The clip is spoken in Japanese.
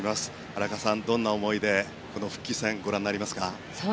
荒川さん、どんな思いで復帰戦をご覧になりますか？